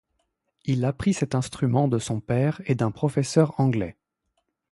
Il apprit cet instrument de son père et d'un professeur anglais.